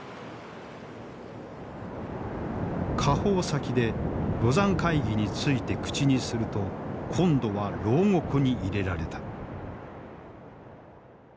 下放先で廬山会議について口にすると今度は牢獄に入れられた。